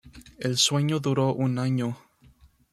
El sueño duró un año.